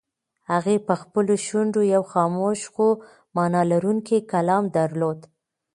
هغې په خپلو شونډو یو خاموش خو مانا لرونکی کلام درلود.